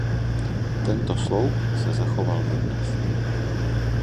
Tento sloup se zachoval dodnes.